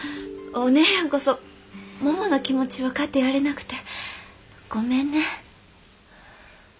お姉やんこそももの気持ち分かってやれなくてごめんね。